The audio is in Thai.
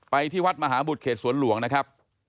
ที่วัดมหาบุตรเขตสวนหลวงนะครับ